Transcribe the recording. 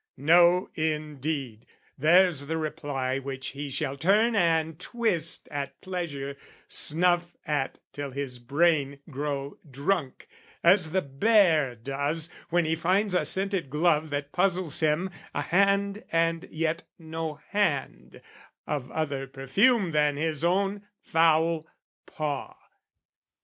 No, indeed! "There's the reply which he shall turn and twist "At pleasure, snuff at till his brain grow drunk, "As the bear does when he finds a scented glove "That puzzles him, a hand and yet no hand, "Of other perfume than his own foul paw!